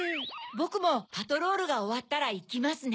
ボクもパトロールがおわったらいきますね。